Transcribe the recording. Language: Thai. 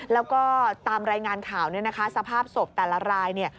แล้วก็ตามรายงานข่าวสภาพศพแต่ละราย